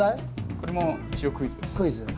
これも一応クイズです。